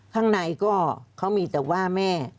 ข้างในก็เขามีแต่ว่าแม่